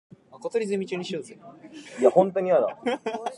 Her trance and the news of it propelled her to fame around England.